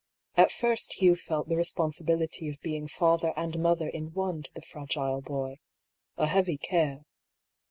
At first Hugh felt the responsibility of being father and mother in one to the fragile boy — a heavy care.